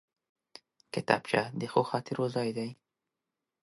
کتابچه د ښو خاطرو ځای دی